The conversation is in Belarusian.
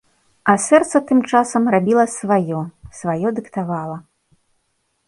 А сэрца тым часам рабіла сваё, сваё дыктавала.